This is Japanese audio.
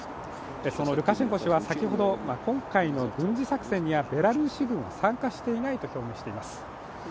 そのルカシェンコ氏は先ほど、今回の軍事作戦にはベラルーシ軍は参加していないと表明しています。